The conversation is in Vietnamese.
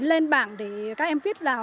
lên bảng để các em viết vào